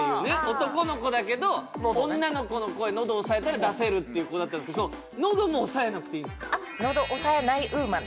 男の子だけど女の子の声喉押さえたら出せるっていう子だったんすけど喉押さえないウーマン！？